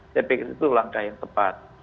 saya pikir itu langkah yang tepat